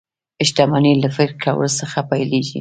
شتمني له فکر کولو څخه پيلېږي